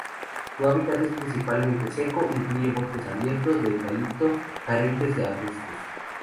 Su hábitat es principalmente seco, incluye bosques abiertos de eucalipto carentes de arbustos.